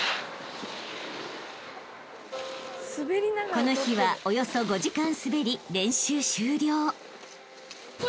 ［この日はおよそ５時間滑り練習終了］